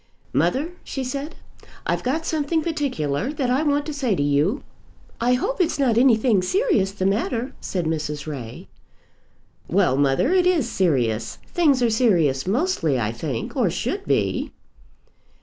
"Mother," she said, "I've got something particular that I want to say to you." "I hope it's not anything serious the matter," said Mrs. Ray. "Well, mother, it is serious. Things are serious mostly, I think, or should be."